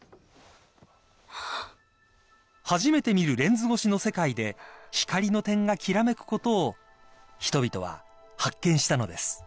［初めて見るレンズ越しの世界で光の点がきらめくことを人々は発見したのです］